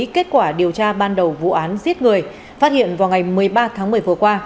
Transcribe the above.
kết quả điều tra ban đầu vụ án giết người phát hiện vào ngày một mươi ba tháng một mươi vừa qua